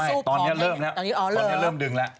อาหรือไม่ตอนนี้เริ่มใช่ตอนนี้เริ่มดึงละ